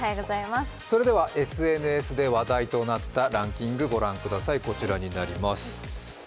ＳＮＳで話題となったランキングご覧ください。